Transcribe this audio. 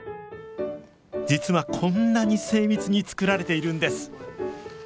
実はこんなに精密に作られているんです。